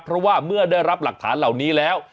เพราะว่าเมื่อได้รับหลักฐานเหล่านี้แล้ว